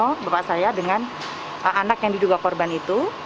oh bapak saya dengan anak yang diduga korban itu